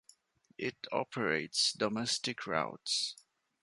It operates domestic routes.